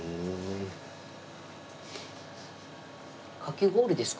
かき氷ですか？